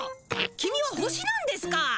キミは星なんですか。